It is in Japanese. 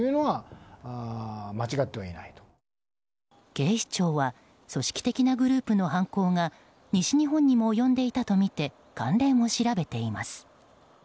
警視庁は組織的なグループの犯行が西日本にも及んでいたとみて関連を調べています。